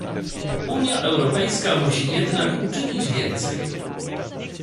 Unia Europejska musi jednak uczynić więcej